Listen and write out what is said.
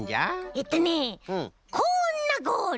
えっとねこんなゴール！